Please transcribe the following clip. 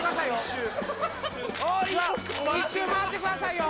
１周回ってくださいよ！